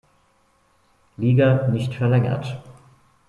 Liga nicht verlängert.